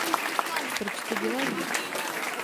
Proč to dělají?